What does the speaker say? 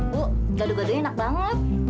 bu gado gadonya enak banget